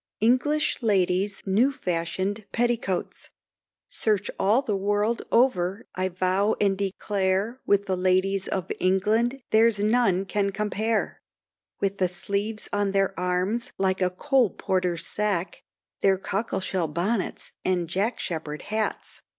ENGLISH LADIES' NEW FASHIONED PETTICOATS. Search all the world over I vow and declare, With the ladies of England there's none can compare With the sleeves on their arms like a coal porter's sack, Their cockleshell bonnets and Jack Sheppard hats.